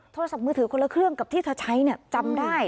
โทรศัพท์มือถือคนละเครื่องกับที่เธอใช้จำได้